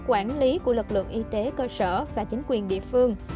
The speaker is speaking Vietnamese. quản lý của lực lượng y tế cơ sở và chính quyền địa phương